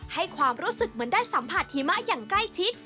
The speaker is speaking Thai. ให้ความรู้สึกเหมือนได้สัมผัสหิมะอย่างใกล้ชิด